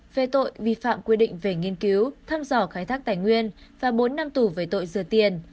về tội vi phạm quy định về nghiên cứu thăm dò khai thác tài nguyên và bốn năm tù về tội dừa tiền